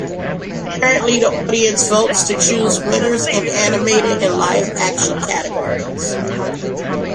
Currently, the audience votes to choose winners in animated and live-action categories.